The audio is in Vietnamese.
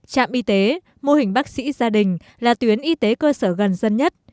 trạm y tế mô hình bác sĩ gia đình là tuyến y tế cơ sở gần dân nhất